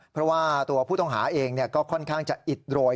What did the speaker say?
เพราะว่าตัวผู้ต้องหาเองก็ค่อนข้างจะอิดโรย